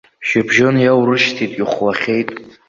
Шьыбжьон иаурышьҭит, ихәлахьеит.